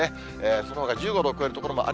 そのほか１５度を超える所もあり